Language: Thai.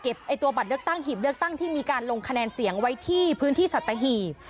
ตัวบัตรเลือกตั้งหีบเลือกตั้งที่มีการลงคะแนนเสียงไว้ที่พื้นที่สัตหีบ